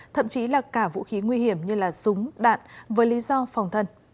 thậm chí là cả vũ khí nguy hiểm như là súng đạn với lý do phòng thân